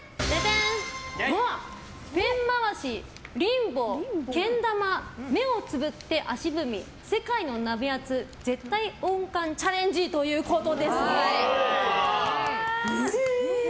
ペン回し、リンボー、けん玉目をつぶって足踏み世界のナベアツ絶対音感チャレンジということです。